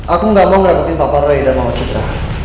aku gak mau ngeragutin papa ray dan mama citra